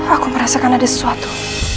aku merasakan ada sesuatu